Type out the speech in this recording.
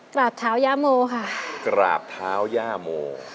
กราบเท้าย่าโมค่ะกราบเท้าย่าโม